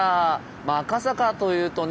まあ赤坂というとね